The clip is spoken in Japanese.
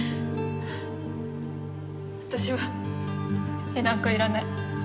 私は絵なんかいらない。